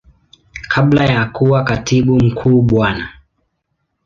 Kabla ya kuwa Katibu Mkuu Bwana.